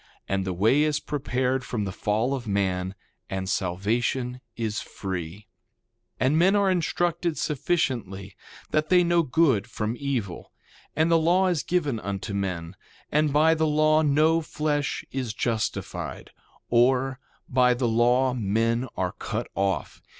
And the way is prepared from the fall of man, and salvation is free. 2:5 And men are instructed sufficiently that they know good from evil. And the law is given unto men. And by the law no flesh is justified; or, by the law men are cut off.